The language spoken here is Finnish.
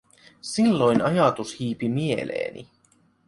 Silloin ajatus hiipi mieleeni: